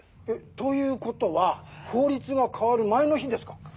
えっということは法律が変わる前の日ですか？